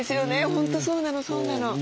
本当そうなのそうなの。